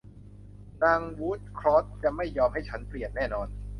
นางวูดคอร์ทจะไม่ยอมให้ฉันเปลี่ยนแน่นอน